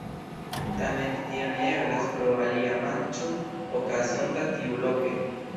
Tamen tio ne eblas pro alia matĉo okazonta tiuloke.